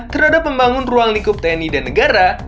terhadap pembangun ruang likup tni dan negara